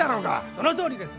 そのとおりです！